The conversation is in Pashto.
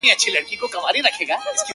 يوه ښځه شربت ورکوي او هڅه کوي مرسته وکړي,